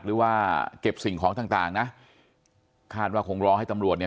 หรือว่าเก็บสิ่งของต่างต่างนะคาดว่าคงรอให้ตำรวจเนี่ย